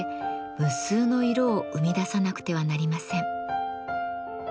無数の色を生み出さなくてはなりません。